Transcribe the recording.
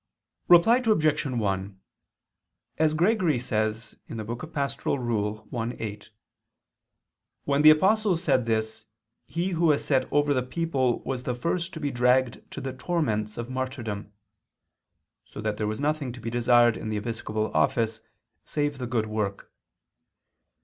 ] Reply Obj. 1: As Gregory says (Pastor. i, 8), "when the Apostle said this he who was set over the people was the first to be dragged to the torments of martyrdom," so that there was nothing to be desired in the episcopal office, save the good work.